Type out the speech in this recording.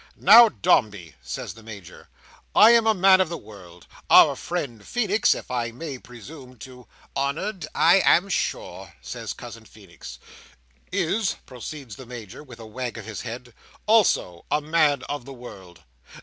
"Now, Dombey," says the Major, "I am a man of the world. Our friend Feenix—if I may presume to—" "Honoured, I am sure," says Cousin Feenix. "—is," proceeds the Major, with a wag of his head, "also a man of the world.